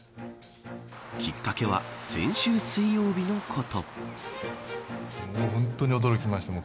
きっかけは先週水曜日のこと。